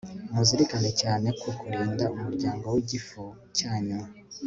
muzirikane cyane ku kurinda umuryango wigifu cyanyu